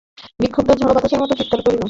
বিক্ষুব্ধ ঝড়ো বাতাসের মতো চিৎকার করছিল।